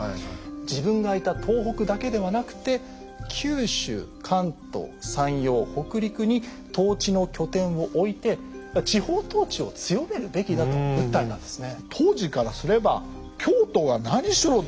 自分がいた東北だけではなくて九州関東山陽北陸に統治の拠点を置いて地方統治を強めるべきだと訴えたんですね。